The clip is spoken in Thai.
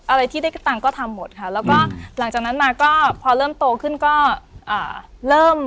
อะไรที่ได้ตังค์ก็ทำหมดค่ะแล้วก็หลังจากนั้นมาก็พอเริ่มโตขึ้นก็เริ่ม